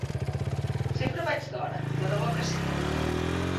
Sempre vaig d'hora! De debò que sí!